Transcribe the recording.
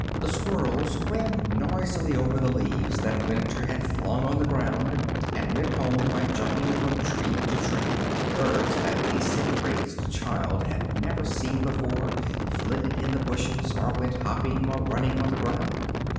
The squirrels ran noisily over the leaves that winter had flung on the ground, and went home by jumping from tree to tree; birds that the city raised child had never 138 The Most Beautiful Bird seen before, flitted in the bushes, or went hopping, or running on the ground.